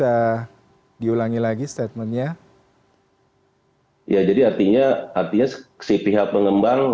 saya koordinasikan pengembangan apa itu nya bersahabat bagaimana karena nanti banyak kesepakatan pengebangan